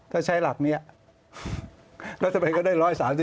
ถ้าใช้หลักนี้แล้วจะไปก็ได้๑๓๗